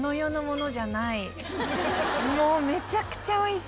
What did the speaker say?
めちゃくちゃおいしい！